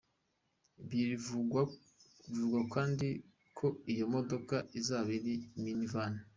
Bivugwa kandi ko iyi modoka izaba ari mini-van.